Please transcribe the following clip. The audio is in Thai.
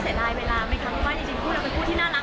เสียดายเวลาไหมคะเพราะว่าจริงคู่เราเป็นคู่ที่น่ารัก